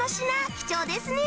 貴重ですね